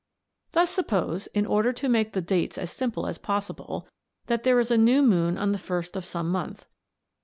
Thus suppose, in order to make the dates as simple as possible, that there is a new moon on the 1st of some month.